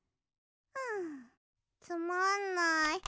んつまんない。